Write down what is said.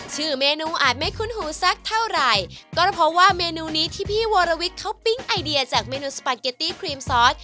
ชื่อเมนูอาจไม่คุ้นหูสักเท่าไหร่ก็เพราะว่าเมนูนี้ที่พี่วรวิทย์เขาปิ๊งไอเดียจากเมนูสปาเกตตี้ครีมซอส